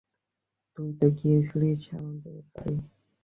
তুই তো গিয়েছিলি আমাদের বাড়িতে।